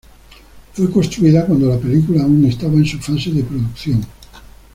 Fue construida cuando la película aún estaba en su fase de producción.